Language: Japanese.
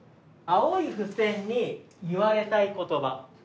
青い付箋に言われたい言葉。